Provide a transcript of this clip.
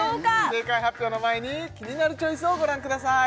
正解発表の前に「キニナルチョイス」をご覧ください